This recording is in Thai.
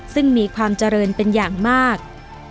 ซึ่งมีความเจริญเป็นอย่างมาก